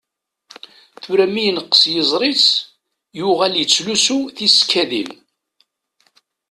Tura mi yenqes yiẓri-s yuɣal yettlusu tisekkadin.